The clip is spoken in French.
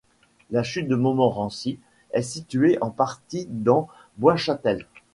La chute Montmorency est située en partie dans Boischatel.